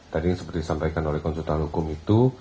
tadi seperti disampaikan oleh konsultan hukum itu